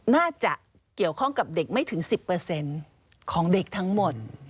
น่าจะเกี่ยวข้องกับเด็กไม่ถึง๑๐ของเด็กทั้งหมด